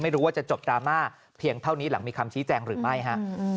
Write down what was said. ไม่รู้ว่าจะจบดราม่าเพียงเท่านี้หลังมีคำชี้แจงหรือไม่ฮะ